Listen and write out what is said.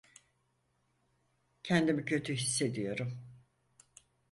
Kendimi kötü hissediyorum.